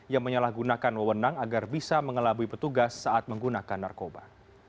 yang menyalahgunakan wewenang agar bisa mengelabui petugas saat menggunakan narkoba